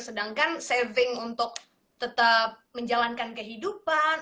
sedangkan saving untuk tetap menjalankan kehidupan